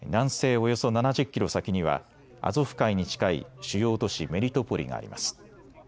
およそ７０キロ先にはアゾフ海に近い主要都市、メリトポリがあります。